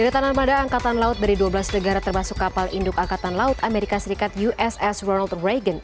kedatangan armada angkatan laut dari dua belas negara termasuk kapal induk angkatan laut amerika serikat uss ronald reagan